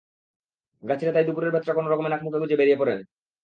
গাছিরা তাই দুপুরের ভাতটা কোনো রকমে নাকেমুখে গুঁজে বেরিয়ে পড়েন মাঠে।